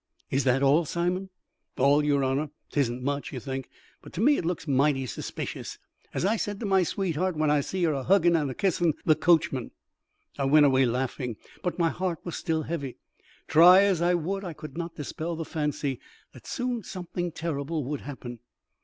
"Is that all, Simon?" "All, yer honour. 'Tisn't much, you think; but to me it looks mighty suspicious, as I said to my sweetheart when I see her a huggin' and kissin' the coachman." I went away laughing, but my heart was still heavy. Try as I would, I could not dispel the fancy that soon something terrible would happen.